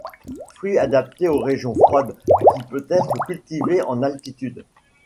Fruit adapté aux régions froides, qui peut être cultivé en altitude.